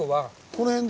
この辺だ！